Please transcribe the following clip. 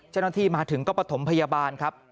เจ้าหน้าที่มาถึงก็ประถมพยาบาลครับ